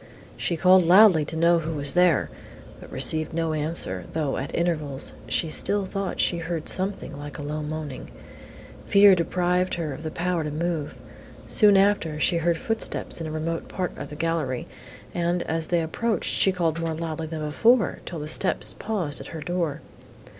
She called loudly to know who was there, but received no answer, though, at intervals, she still thought she heard something like a low moaning. Fear deprived her of the power to move. Soon after, she heard footsteps in a remote part of the gallery, and, as they approached, she called more loudly than before, till the steps paused at her door.